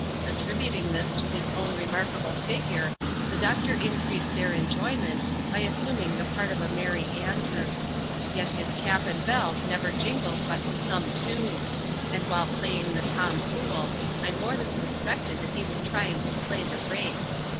Attributing this to his own remarkable figure, the doctor increased their enjoyment, by assuming the part of a Merry Andrew. Yet his cap and bells never jingled but to some time ; and while playing the Tom fool, I more than sus pected that he was trying to play the rake.